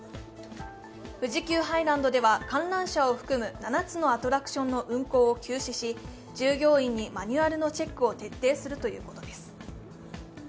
富士急ハイランドでは観覧車を含む７つのアトラクションの運行を休止し、従業員にマニュアルのチェックを徹底するということです。